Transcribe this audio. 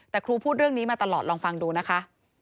แต่ครูพูดเรื่องนี้มาตลอดลองฟังดูนะคะ